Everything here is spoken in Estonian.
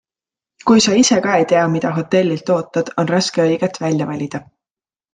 Kui sa ise ka ei tea, mida hotellilt ootad, on raske õiget välja valida.